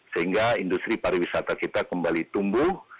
sehingga industri pariwisata kita kembali tumbuh